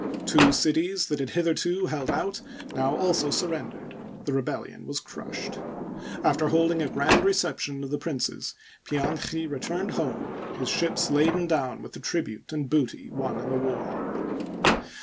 Two cities that had hitherto held out now also surrendered— the rebellion was crushed. After hold ing a grand reception of the princes, Pianchi returned home, his ships laden down with the tnbute and booty won in the war.